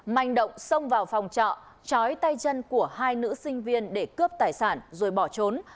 manh động xông vào phòng trọ chói tay chân của hai nữ sinh viên để cướp tài sản rồi bỏ trốn